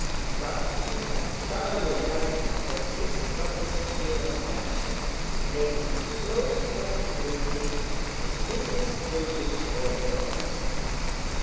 But he had thoroughly learnt that his proper sphere of action lay in close contiguity with Mrs Proudie's wardrobe.